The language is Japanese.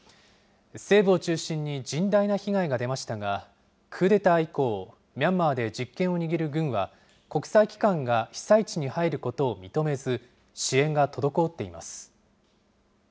西部を中心に甚大な被害が出ましたが、クーデター以降、ミャンマーで実権を握る軍は、国際機関が被災地に入ることを認めず、支援が滞っています。